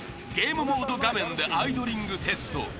［ゲームモード画面でアイドリングテスト］